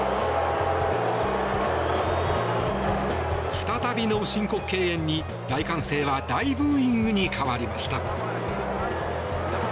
再びの申告敬遠に大歓声は大ブーイングに変わりました。